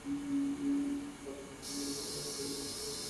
নিচের বাকি অংশজুড়ে ছোট-বড়, মাঝারি বিভিন্ন আকারের টবে আছে ফুলের গাছ।